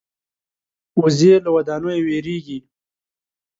وزې له ودانیو وېرېږي